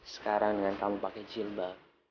sekarang dengan kamu pakai jilbab